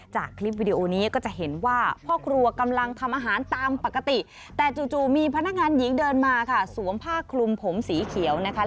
จากคลิปวิดีโอนี้ก็จะเห็นว่าพ่อครัวกำลังทำอาหารตามปกติแต่จู่มีพนักงานหญิงเดินมาค่ะสวมผ้าคลุมผมสีเขียวนะคะ